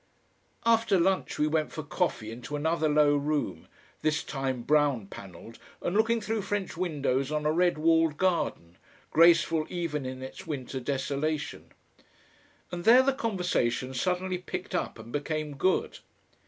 After lunch we went for coffee into another low room, this time brown panelled and looking through French windows on a red walled garden, graceful even in its winter desolation. And there the conversation suddenly picked up and became good.